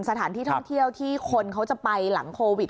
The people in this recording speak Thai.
สถานที่ท่องเที่ยวที่คนเขาจะไปหลังโควิด